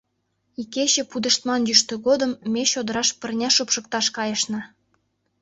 Икече, пудештман йӱштӧ годым, ме чодыраш пырня шупшыкташ кайышна...